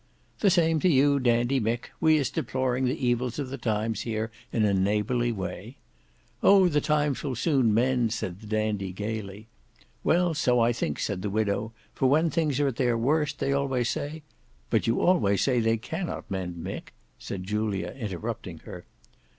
"The same to you, Dandy Mick. We is deploring the evils of the times here in a neighbourly way." "Oh, the times will soon mend," said the Dandy gaily. "Well, so I think," said the widow; "for when things are at the worst, they always say—" "But you always say they cannot mend, Mick," said Julia interrupting her.